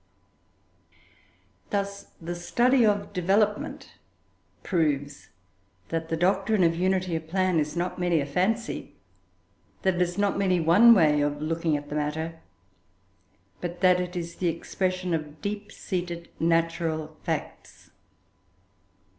Thus the study of development proves that the doctrine of unity of plan is not merely a fancy, that it is not merely one way of looking at the matter, but that it is the expression of deep seated natural facts.